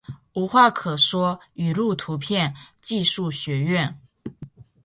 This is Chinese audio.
无话可说语录图片技术学院